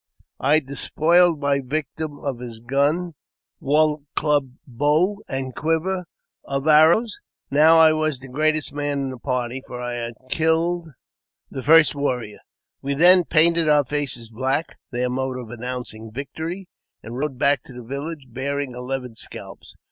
I despoiled my victim of his gun, lance, war club, bow, and quiver of arrows. Now I was the greatest man in the party, for I had killed the first warrior. We then painted our faces black (their mode of announcing victory), and rode back to the village, bearing eleven scalps.